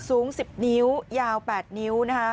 สูง๑๐นิ้วยาว๘นิ้วนะคะ